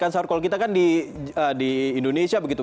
kan sahur kalau kita kan di indonesia begitu